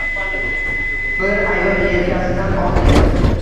Bir ayol yelkasidan oldi.